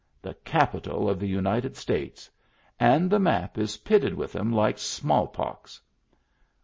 The capital of the United States. And the map is pitted with 'em like smallpox."